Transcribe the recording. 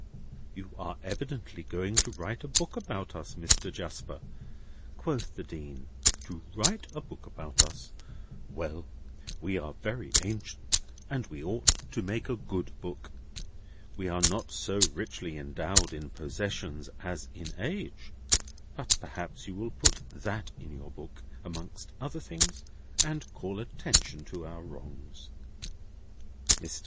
"You are evidently going to write a book about us, Mr. Jasper," quoth the Dean; "to write a book about us. Well! We are very ancient, and we ought to make a good book. We are not so richly endowed in possessions as in age; but perhaps you will put that in your book, among other things, and call attention to our wrongs." Mr.